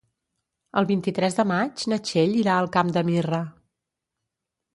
El vint-i-tres de maig na Txell irà al Camp de Mirra.